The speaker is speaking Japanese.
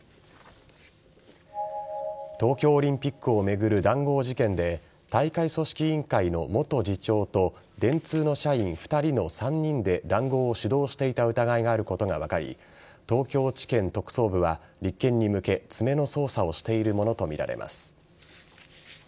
東京オリンピックを巡る談合事件で大会組織委員会の元次長と電通の社員２人の３人で談合を主導していた疑いがあることが分かり東京地検特捜部は立件に向け詰めの捜査をしているものとみられます。